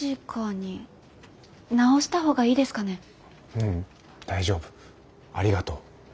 ううん大丈夫ありがとう。